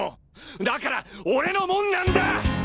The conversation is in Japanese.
だから俺のもんなんだぁあ！